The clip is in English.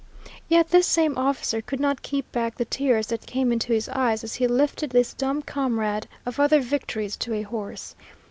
Yet this same officer could not keep back the tears that came into his eyes as he lifted this dumb comrade of other victories to a horse.